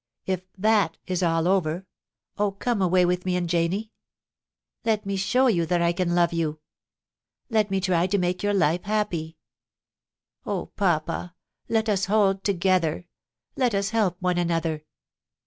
If thai is all over — oh, come away with me and Janie. Let me show you that I can love you. Let me try to make your life happy. Oh, papa ! let us hold together. Let us help one another.'